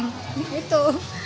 kalau lagi mahal begitu